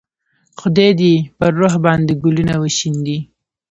خدای دې یې پر روح باندې ګلونه وشیندي.